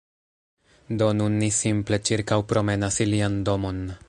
Do nun ni simple ĉirkaŭpromenas ilian domon.